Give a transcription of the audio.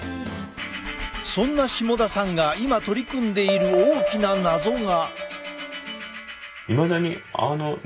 そんな下田さんが今取り組んでいる大きな謎が。